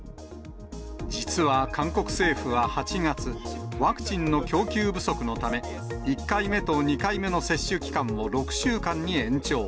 実は韓国政府は８月、ワクチンの供給不足のため、１回目と２回目の接種期間を６週間に延長。